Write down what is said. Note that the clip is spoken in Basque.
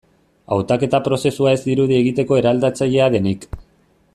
Hautaketa prozesua ez dirudi egiteko eraldatzailea denik.